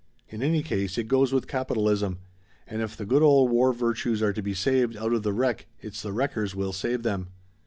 In any case, it goes with capitalism; and if the good old war virtues are to be saved out of the wreck it's the wreckers will save them!